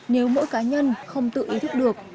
nếu mỗi cá nhân không tự ý thức được